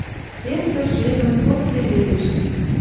Эртӹш жепӹм цотке веле шин.